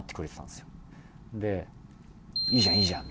で「いいじゃんいいじゃん！」